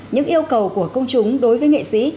những yêu cầu của công chúng đối với nghệ sĩ